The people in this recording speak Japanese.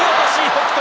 北勝